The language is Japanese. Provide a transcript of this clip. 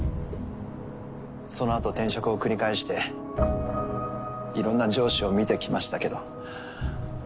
そのあと転職を繰り返していろんな上司を見てきましたけど。